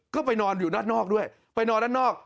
ก็ไปนอนอยู่ด้านนอกด้วยไปนอนด้านนอก